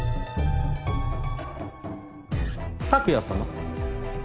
拓也様